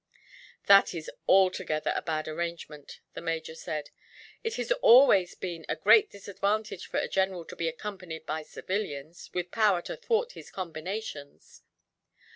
"That is altogether a bad arrangement," the major said. "It has always been a great disadvantage for a general to be accompanied by civilians, with power to thwart his combinations.